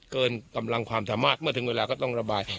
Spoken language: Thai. เกินกำลังความสามารถเมื่อถึงเวลาก็ต้องระบาย